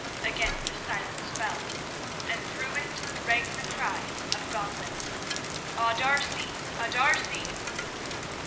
Again the silence fell, and through it rang the cry of Godwin: "_A D'Arcy! A D'Arcy!